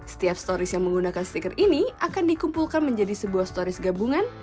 setiap stories yang menggunakan stiker ini akan dikumpulkan menjadi sebuah stories gabungan